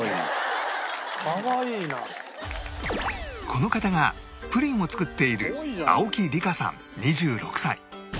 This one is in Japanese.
この方がプリンを作っている青木理花さん２６歳